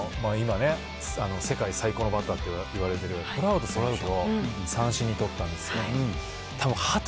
しかも今ね、世界最高のバッターといわれているトラウト選手を三振に取ったんですよ。